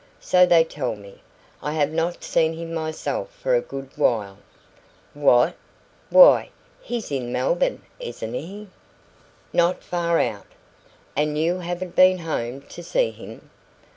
So they tell me. I have not seen him myself for a good while." "What! Why, he's in Melbourne, isn't he?" "Not far out." "And you haven't been home to see him?"